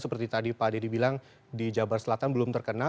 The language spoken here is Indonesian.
seperti tadi pak deddy bilang di jabar selatan belum terkena